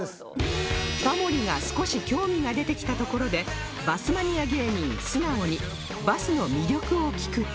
タモリが少し興味が出てきたところでバスマニア芸人すなおにバスの魅力を聞くと